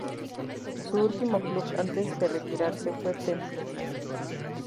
Su último club antes de retirarse fue Temperley.